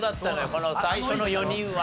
この最初の４人は。